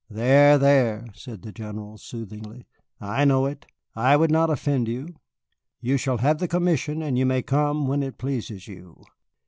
"There, there," said the General, soothingly, "I know it. I would not offend you. You shall have the commission, and you may come when it pleases you."